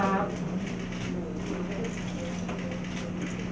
อ๋อไม่มีพิสิทธิ์